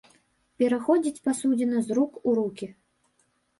Пераходзіць пасудзіна з рук у рукі.